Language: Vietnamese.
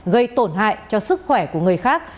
gây tổn hại cho sức khỏe của người khác